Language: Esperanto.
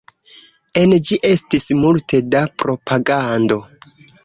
En ĝi estis multe da propagando.